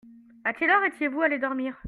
À quelle heure étiez-vous allés dormir ?